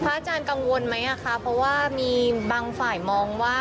อาจารย์กังวลไหมคะเพราะว่ามีบางฝ่ายมองว่า